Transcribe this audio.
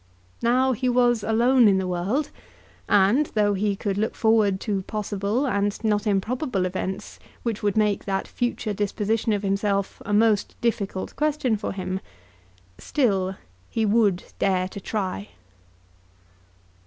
Now he was alone in the world; and, though he could look forward to possible and not improbable events which would make that future disposition of himself a most difficult question for him, still he would dare to try.